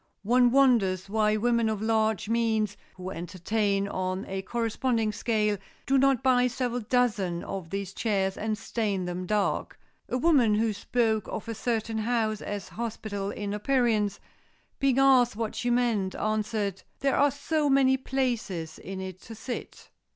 One wonders why women of large means, who entertain on a corresponding scale, do not buy several dozen of these chairs and stain them dark. A woman who spoke of a certain house as hospitable in appearance, being asked what she meant, answered, "There are so many places in it to sit."